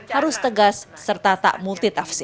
harus tegas serta tak multitafsir